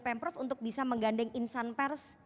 pemprov untuk bisa menggandeng insan pers